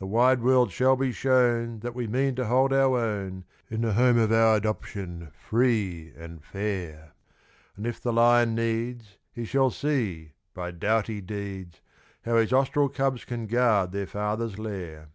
The wide world shall be shown That we mean to hold our own In the home of our adoption, free and fair; And if the Lion needs, He shall see, by doughty deeds, How his Austral cubs can guard their father's lair.